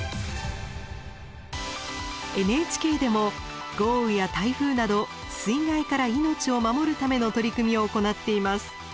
ＮＨＫでも豪雨や台風など「水害から命を守る」ための取り組みを行っています。